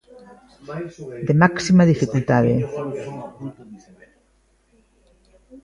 De máxima dificultade.